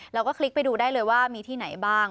คลิกไปดูได้เลยว่ามีที่ไหนบ้าง